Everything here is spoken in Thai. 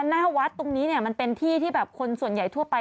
หน้าวัดตรงนี้เนี่ยมันเป็นที่ที่แบบคนส่วนใหญ่ทั่วไป